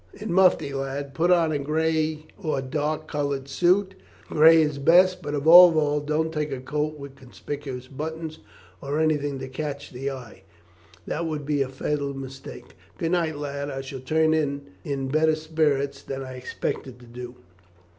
"In mufti, lad. Put on a gray or dark coloured suit. Gray is the best; but, above all, don't take a coat with conspicuous buttons or anything to catch the eye, that would be a fatal mistake. Good night, lad; I shall turn in in better spirits than I expected to do."